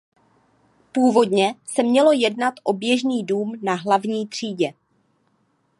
Původně se mělo jednat o běžný dům na hlavní třídě.